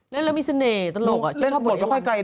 เล่นแล้วมีเสน่ห์ตลก